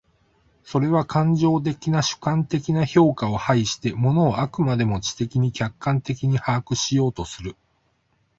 それは感情的な主観的な評価を排して、物を飽くまでも知的に客観的に把握しようとする。